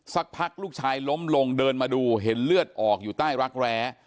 สักพักลูกชายล้มลงเดินมาดูเห็นเลือดออกอยู่ใต้รักแร้